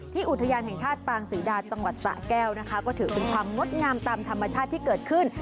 อุทยานแห่งชาติปางศรีดาจังหวัดสะแก้วนะคะก็ถือเป็นความงดงามตามธรรมชาติที่เกิดขึ้น